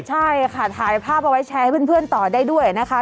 ใช่ค่ะถ่ายภาพเอาไว้แชร์ให้เพื่อนต่อได้ด้วยนะคะ